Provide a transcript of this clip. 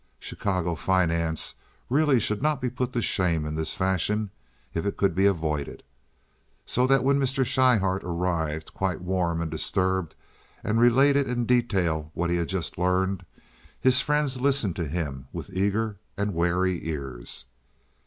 Chicago finance really should not be put to shame in this fashion if it could be avoided. So that when Mr. Schryhart arrived, quite warm and disturbed, and related in detail what he had just learned, his friends listened to him with eager and wary ears.